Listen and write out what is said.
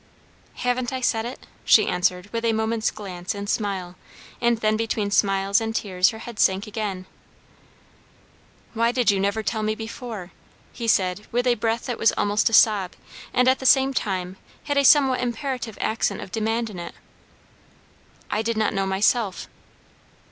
"Haven't I said it?" she answered with a moment's glance and smile; and then between smiles and tears her head sank again. "Why did you never tell me before?" he said with a breath that was almost a sob, and at the same time had a somewhat imperative accent of demand in it. "I did not know myself."